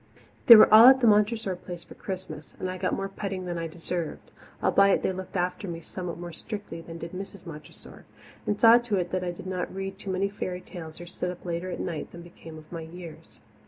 They were all at Montressor Place for Christmas, and I got more petting than I deserved, albeit they looked after me somewhat more strictly than did Mrs. Montressor, and saw to it that I did not read too many fairy tales or sit up later at nights than became my years.